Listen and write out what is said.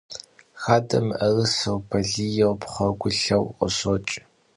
Xadem mı'erısêy, baliêy, pxhegulhêy khışoç'.